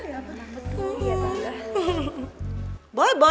iya bener betul ya clara